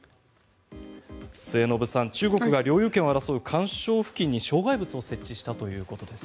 末延さん、中国が領有権を争う環礁付近に障害物を設置したということです。